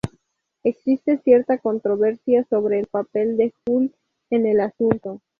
Existe cierta controversia sobre el papel de Hull en el asunto.